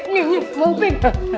nih mau peng